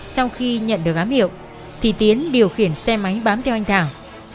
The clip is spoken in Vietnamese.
sau khi nhận được ám hiệu thì tiến điều khiển xe máy bám theo anh thảo